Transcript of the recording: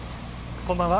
こんばんは。